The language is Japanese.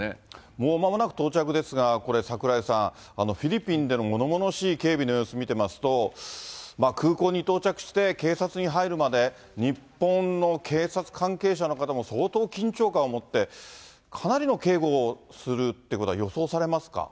もうまもなく到着ですが、これ、櫻井さん、フィリピンでのものものしい警備の様子見てますと、空港に到着して警察に入るまで、日本の警察関係者の方も、相当緊張感を持って、かなりの警護をするっていうことは予想されますか？